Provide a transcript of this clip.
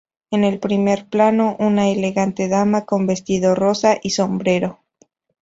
En el primer plano, una elegante dama con vestido rosa y sombrero.